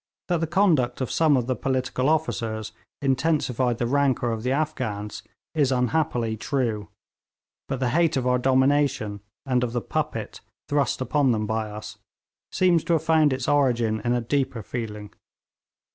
That the conduct of some of the political officers intensified the rancour of the Afghans is unhappily true, but the hate of our domination, and of the puppet thrust upon them by us, seems to have found its origin in a deeper feeling.